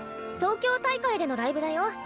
東京大会でのライブだよ？